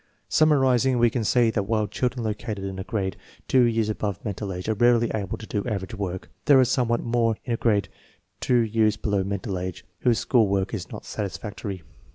Summarizing, we can say that while children located in a grade two years above mental age are rarely able to do average work, there are somewhat more in a grade two years below mental age whose school work is not satisfactory.